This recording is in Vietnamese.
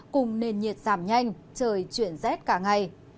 cùng nền nhiệt giảm nhanh trời chuyển rét cả ngày